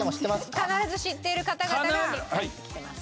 必ず知っている方々が入ってきてます。